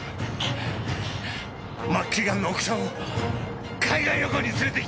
末期ガンの奥さんを海外旅行に連れて行きたかった。